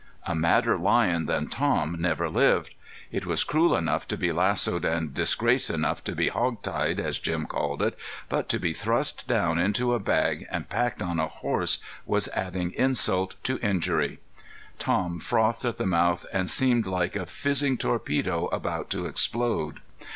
A madder lion than Tom never lived. It was cruel enough to be lassoed and disgrace enough to be "hog tied," as Jim called it, but to be thrust down into a bag and packed on a horse was adding insult to injury. Tom frothed at the mouth and seemed like a fizzing torpedo about to explode.